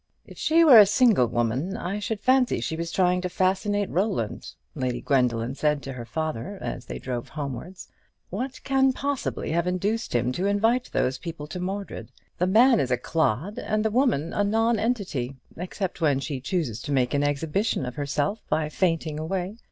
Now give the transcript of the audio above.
"If she were a single woman, I should fancy she was trying to fascinate Roland," Lady Gwendoline said to her father, as they drove homewards. "What can possibly have induced him to invite those people to Mordred? The man is a clod, and the woman a nonentity; except when she chooses to make an exhibition of herself by fainting away.